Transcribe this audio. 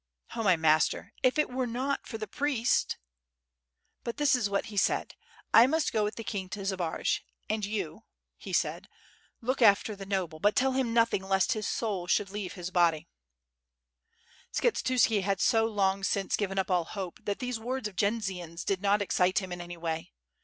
"Oh, my master, if it were not for the priest But this is what he said: 'I must go with the king to Zbaraj and you (he said) look after the noble, but tell him nothing lest his soul should leave his body/ " Skshetuski had so long since given up all hope, that these words of Jendzian's did not excite him in any way.